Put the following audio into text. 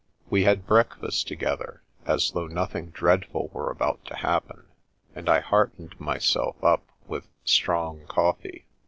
We had breakfast together, as though nothing dreadful were about to happen, and I heartened my self up with strong coffee.